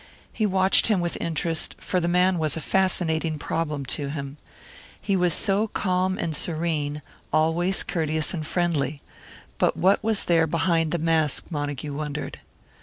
He watched him with interest, for the man was a fascinating problem to him. He was so calm and serene always courteous and friendly. But what was there behind the mask, Montague wondered.